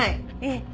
ええ。